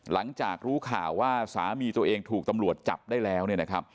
หลังจากรู้ข่าวว่าสามีตัวเองถูกตำรวจจับได้แล้ว